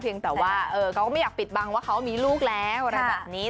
ยังแต่ว่าเขาก็ไม่อยากปิดบังว่าเขามีลูกแล้วอะไรแบบนี้